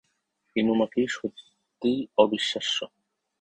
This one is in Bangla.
ইনুমাকি সত্যিই অবিশ্বাস্য।